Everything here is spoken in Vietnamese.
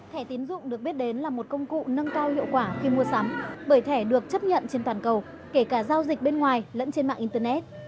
thẻ tiến dụng được biết đến là một công cụ nâng cao hiệu quả khi mua sắm bởi thẻ được chấp nhận trên toàn cầu kể cả giao dịch bên ngoài lẫn trên mạng internet